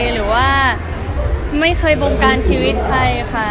หรือว่าไม่เคยบงการชีวิตใครค่ะ